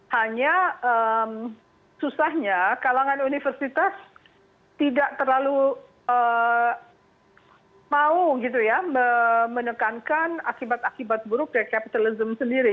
hanya susahnya kalangan universitas tidak terlalu mau menekankan akibat akibat buruk dari kapitalism sendiri